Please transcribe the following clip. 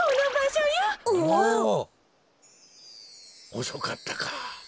おそかったか。